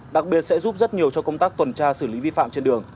đặc biệt sẽ giúp rất nhiều cho công tác tuần tra xử lý vi phạm trên đường